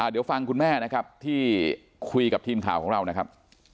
เดี๋ยวฟังคุณแม่นะครับที่คุยกับทีมข่าวของเรานะครับ